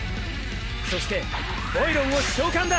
そしてヴォイロンを召喚だ！